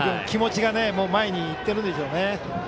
気持ちが前にいってるんでしょうね。